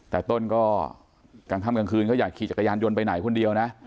แต่ต้นก็กลางค่ำกลางคืนก็อยากขี่จักรยานยนต์ไปไหนคนเดียวนะ